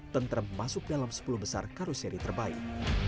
tentrem masuk dalam sepuluh besar karoseri terbaik